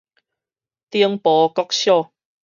頂埔國小